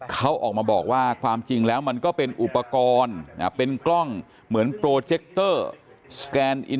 เขาออกมาบอกว่าความจริงแล้วมันก็เป็นอุปกรณ์เป็นกล้องเหมือนโปรเจคเตอร์สแกนอิน